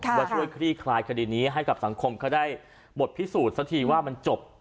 ว่าช่วยคลี่คลายคดีนี้ให้กับสังคมเขาได้บทพิสูจน์สักทีว่ามันจบ